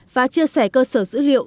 và chia sẻ cơ sở dữ liệu